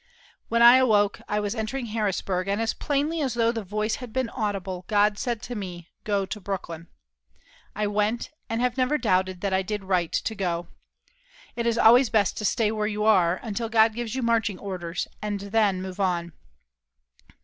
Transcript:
When I awoke I was entering Harrisburg, and as plainly as though the voice had been audible God said to me, "Go to Brooklyn." I went, and never have doubted that I did right to go. It is always best to stay where you are until God gives you marching orders, and then move on.